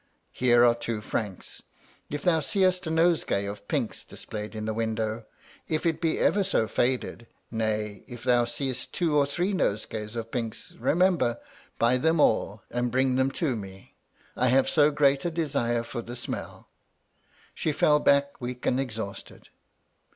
Here are two francs. If thou seest a nosegay of pinks displayed in the window, if it be ever so &ded, — nay, if thou seest two or three nosegays of pinks, remember, buy them all, and bring them to me, I have so great a desire for the smelL' She fell back weak and exhausted.